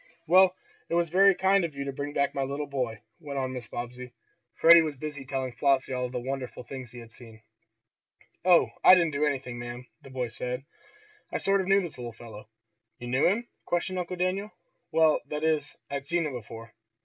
"Well, it was very kind of you to bring back my little boy," went on Mrs. Bobbsey. Freddie was busy telling Flossie all the wonderful things he had seen. "Oh, I didn't do anything, ma'am," the boy said. "I sort of knew this little fellow." "You knew him?" questioned Uncle Daniel. "Well, that is I'd seen him before."